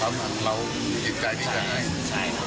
ครับมันเราอิจจิตใจดีใจ